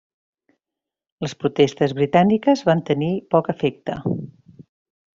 Les protestes britàniques van tenir poc efecte.